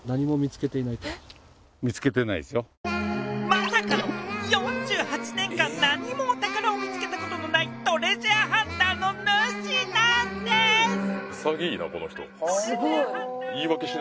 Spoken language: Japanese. まさかの４８年間何もお宝を見つけたことのないトレジャーハンターの主なんです